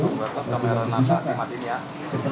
kalau kita bisa kan